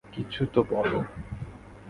কিছু তো বলো।